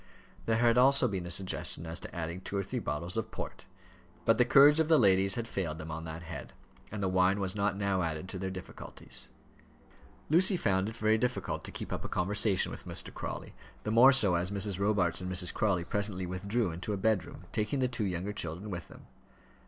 There had also been a suggestion as to adding two or three bottles of port; but the courage of the ladies had failed them on that head, and the wine was not now added to their difficulties. Lucy found it very difficult to keep up a conversation with Mr. Crawley the more so, as Mrs. Robarts and Mrs. Crawley presently withdrew into a bedroom, taking the two younger children with them.